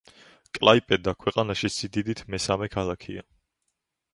კლაიპედა ქვეყანაში სიდიდით მესამე ქალაქია.